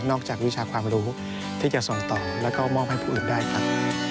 จากวิชาความรู้ที่จะส่งต่อแล้วก็มอบให้ผู้อื่นได้ครับ